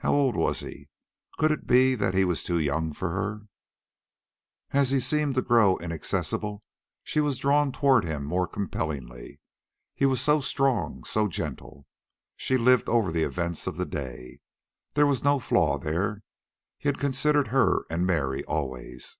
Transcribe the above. How old was he? Could it be that he was too young for her? As he seemed to grow inaccessible, she was drawn toward him more compellingly. He was so strong, so gentle. She lived over the events of the day. There was no flaw there. He had considered her and Mary, always.